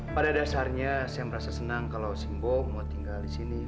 pada dasarnya saya merasa senang kalau simbol mau tinggal di sini